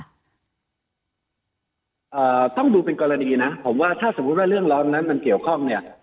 อ่าต้องดูเป็นกรณีนะผมว่าถ้าสมมุติว่าเรื่องร้องนั้นมันเกี่ยวข้องเนี่ย